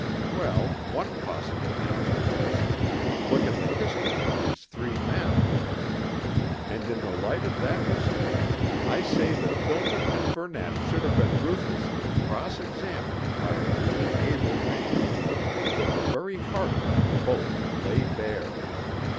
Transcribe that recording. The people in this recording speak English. Well, one possible answer was 'Look at the history of these three men.' And in the light of that history I say that Philpott and Burnett should have been ruthlessly cross examined by a really able man, till the very heart of them both lay bare.